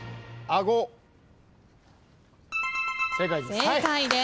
正解です。